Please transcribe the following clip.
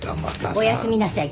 おやすみなさい。